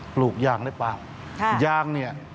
ปลูกยางในป่ายางเนี่ย